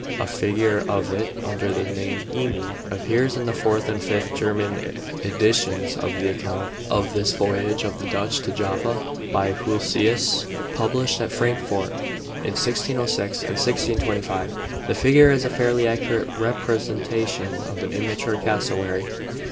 A figure of it, under the name 'eme,' appears in the fourth and fifth German editions of the account of this voyage of the Dutch to Java, by Hulsius, published at Frankfort in 1606 and 1625. The figure is a fairly accurate representation of an immature cassowary.